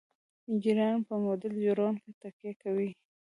انجینران په موډل جوړونه تکیه کوي.